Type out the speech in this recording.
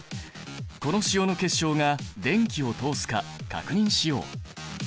この塩の結晶が電気を通すか確認しよう。